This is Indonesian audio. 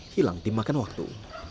hilang di makan waktu